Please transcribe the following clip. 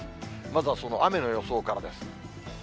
まずはその雨の予想からです。